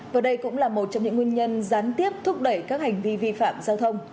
và đây cũng là một trong những nguyên nhân gián tiếp thúc đẩy các hành vi vi phạm giao thông